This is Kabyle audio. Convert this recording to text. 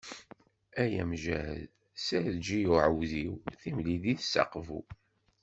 Ay amjahed serǧ i uɛudiw, timlilit s Aqbu.